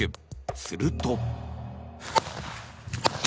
すると。